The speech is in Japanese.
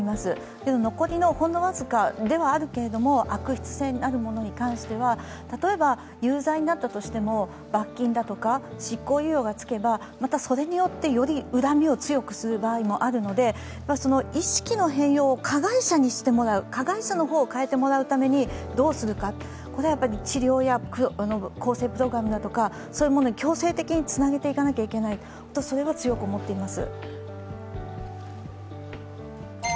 けど残りのほんの僅かではあるけれど、悪質性のあるケースでは例えば有罪になったとしても罰金だとか執行猶予がつけばまたそれによって、より恨みを強くすることもあるので意識の変容を加害者にしてもらう、加害者の方に変えてもらうためにどうするか、これはやっぱり治療や更生プログラムだとか強制的につなげていかなければいけない、それは強く思っています。